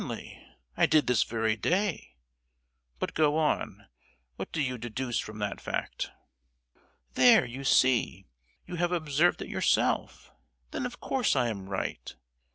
"Certainly; I did this very day; but go on, what do you deduce from that fact?" "There, you see! you have observed it yourself; then of course I am right.